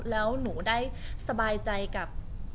แล้วหนูได้สบายใจกับ